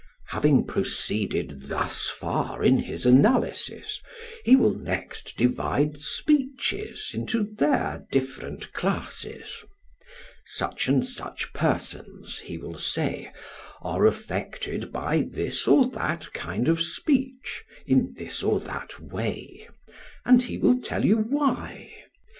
Having proceeded thus far in his analysis, he will next divide speeches into their different classes: 'Such and such persons,' he will say, are affected by this or that kind of speech in this or that way,' and he will tell you why.